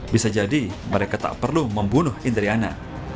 bisa jadi mereka tak perlu membunuh indriana